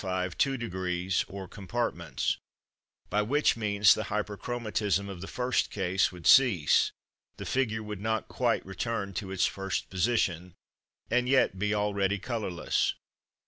5 two degrees or compartments; by which means the Hyperchromatism of the first case would cease, the figure would not quite return to its first position, and yet be already colourless.